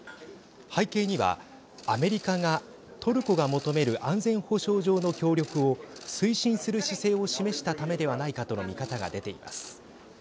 背景には、アメリカがトルコが求める安全保障上の協力を推進する姿勢を示したためではないかとの見方が出ています。